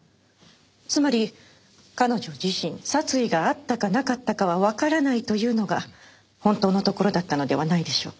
つまり彼女自身殺意があったかなかったかはわからないというのが本当のところだったのではないでしょうか？